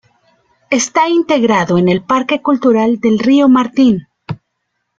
Está integrado en el Parque Cultural del Río Martín.